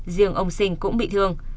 riêng ông sinh cũng bị thương